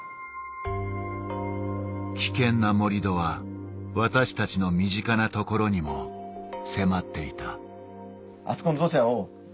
危険な盛り土は私たちの身近なところにも迫っていたあそこの。